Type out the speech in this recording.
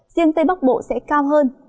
riêng tây bắc bộ sẽ cao hơn